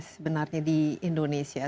sebenarnya di indonesia